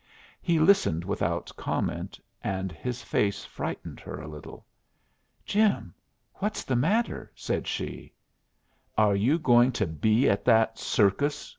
He listened without comment, and his face frightened her a little. "Jim, what's the matter?" said she. "Are you going to be at that circus?"